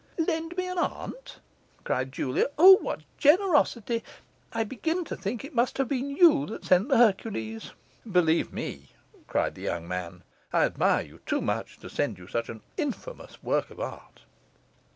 'Lend me an aunt!' cried Julia. 'O, what generosity! I begin to think it must have been you that sent the Hercules.' 'Believe me,' cried the young man, 'I admire you too much to send you such an infamous work of art..